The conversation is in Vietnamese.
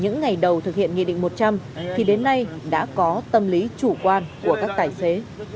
những ngày đầu thực hiện nghị định một trăm linh thì đến nay đã có tâm lý chủ quan của các tài xế